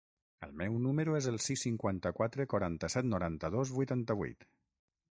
El meu número es el sis, cinquanta-quatre, quaranta-set, noranta-dos, vuitanta-vuit.